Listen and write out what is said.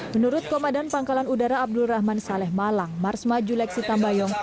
menurut komandan pangkalan udara abdul rahman saleh malang marsma julek sitambayong